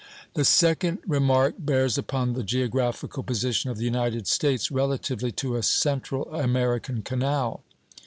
The second remark bears upon the geographical position of the United States relatively to a Central American canal.